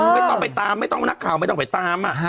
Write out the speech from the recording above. ไม่ต้องไปตามไม่ต้องนักข่าวไม่ต้องไปตาม